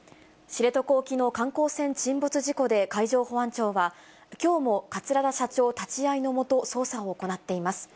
知床沖の観光船沈没事故で、海上保安庁は、きょうも桂田社長立ち会いの下、捜査を行っています。